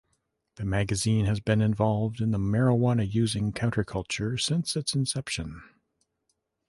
The magazine has been involved in the marijuana-using counterculture since its inception.